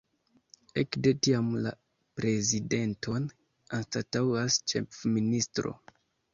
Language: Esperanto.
Ekde tiam, la prezidenton anstataŭas ĉefministro.